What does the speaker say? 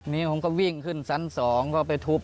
นี่ผมก็วิ่งขึ้นชั้น๒ก็ไปทุบ